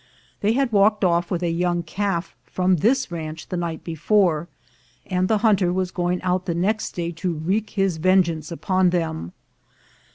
They had walked off with a young calf from this ranch the night before, and the hunter was going out the next day to wreak his vengeance upon them.